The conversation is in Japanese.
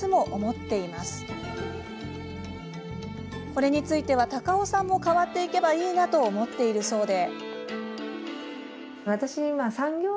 これについては高尾さんも変わればいいなと思っているそうで。